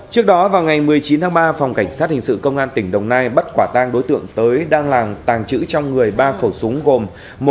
trước đó vào ngày một mươi chín tháng ba phòng cảnh sát hình sự công an tỉnh đồng nai bắt quả tang đối tượng tới đang làm tàng trữ trong người ba khẩu súng gồm